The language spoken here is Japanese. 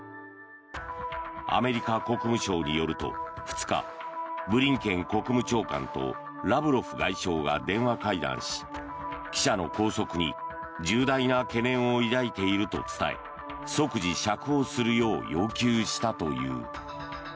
アメリカ国務省によると２日ブリンケン国務長官とラブロフ外相が電話会談し記者の拘束に重大な懸念を抱いていると伝え即時釈放するよう要求したという。